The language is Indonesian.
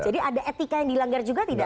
jadi ada etika yang dilanggar juga tidak